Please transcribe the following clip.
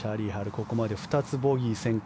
ここまで２つボギー先行。